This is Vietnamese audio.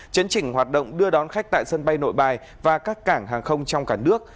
chấn chỉnh hoạt động đưa đón khách tại sân bay nội bài và các cảng hàng không trong cả nước